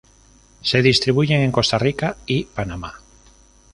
Se distribuyen en Costa Rica y Panamá.